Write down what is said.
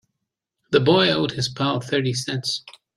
The boy owed his pal thirty cents.